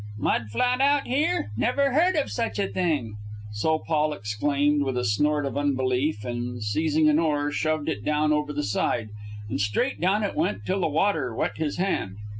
"Mud flat out here? Never heard of such a thing!" So Paul exclaimed with a snort of unbelief, and, seizing an oar, shoved it down over the side. And straight down it went till the water wet his hand.